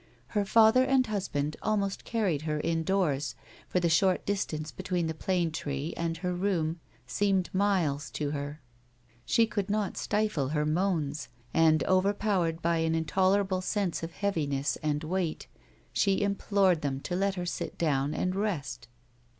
Her father and husband almost carried her indoors, for the short distance between the plane tree and her room seemed miles to her ; she could not stifle her moans, and, overpowered by an intolerable sense of heaviness and weight, she implored them to let her sit down and rest.